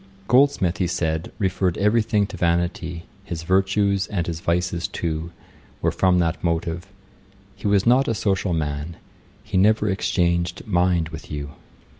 ' 'Goldsmith (he said), referred every thing to vanity; his virtues, and his vices too, were from that motive. He was not a social man. He never exchanged mind with you.'